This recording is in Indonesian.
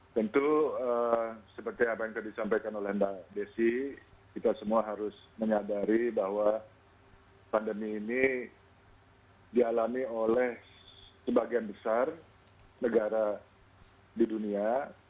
tentu seperti apa yang tadi disampaikan oleh mbak desi kita semua harus menyadari bahwa pandemi ini dialami oleh sebagian besar negara di dunia